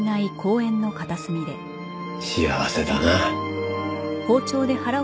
幸せだな。